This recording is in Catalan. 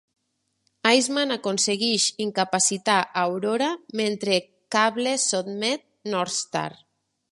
Iceman aconsegueix incapacitar Aurora mentre Cable sotmet Northstar.